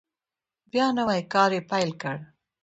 بیا نوی کار یې پیل کړ.